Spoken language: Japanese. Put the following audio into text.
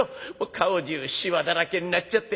顔中しわだらけになっちゃって。